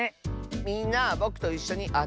みんなぼくといっしょにあてようね。